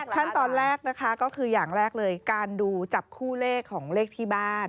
ขั้นตอนแรกนะคะก็คืออย่างแรกเลยการดูจับคู่เลขของเลขที่บ้าน